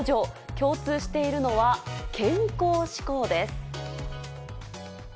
共通しているのは、健康志向です。